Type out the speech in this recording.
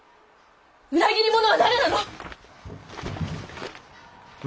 裏切り者は誰なの！？